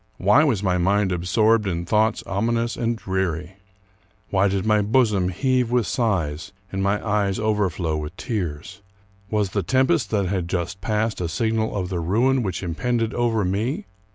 Why Avas my mind absorbed in thoughts ominous and dreary ? Why did my bosom heave with sighs and my eyes over flow with tears? Was the tempest that had just passed a signal of the ruin which impended over me?